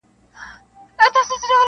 پلار د شپې بې خوبه وي,